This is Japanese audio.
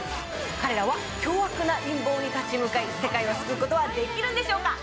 彼らは凶悪な陰謀に立ち向かい、世界を救うことはできるのでしょうか。